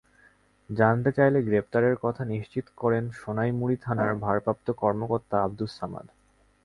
জানতে চাইলে গ্রেপ্তারের কথা নিশ্চিত করেন সোনাইমুড়ী থানার ভারপ্রাপ্ত কর্মকর্তা আবদুস সামাদ।